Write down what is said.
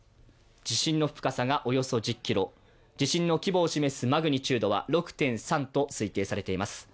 地震の深さがおよそ１０ｋｍ地震の規模を示すマグニチュードは６．３と推定されています。